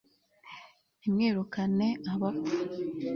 NTIMWIRUKANE ABAPFU